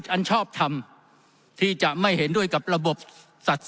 ทั้งสองกรณีผลเอกประยุทธ์